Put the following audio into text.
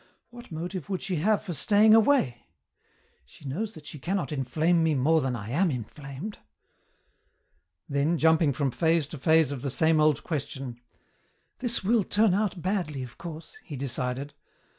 "What motive would she have for staying away? She knows that she cannot inflame me more than I am inflamed." Then, jumping from phase to phase of the same old question, "This will turn out badly, of course," he decided.